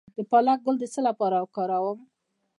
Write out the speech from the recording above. د پالک ګل د څه لپاره وکاروم؟